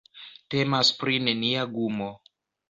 Temas pri nenia gumo.